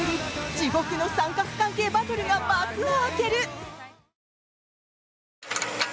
地獄の三角関係バトルが幕を開ける。